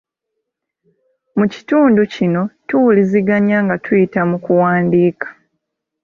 Mu kitundu kino tuwuliziganya nga tuyita mu kuwandiika.